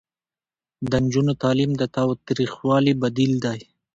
د نجونو تعلیم د تاوتریخوالي بدیل دی.